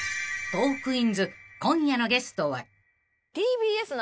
［『トークィーンズ』今夜のゲストは］